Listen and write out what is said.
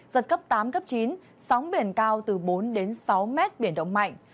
giật cấp tám cấp chín sóng biển cao từ bốn đến sáu mét biển động mạnh